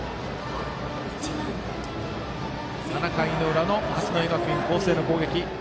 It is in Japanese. ７回の裏の八戸学院光星の攻撃。